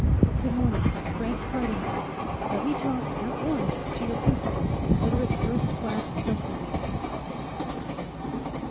"Good morning. Frank Cardon here. Let me talk, at once, to your principal, Literate First Class Prestonby."